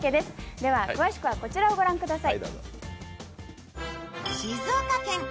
では詳しくはこちらを御覧ください。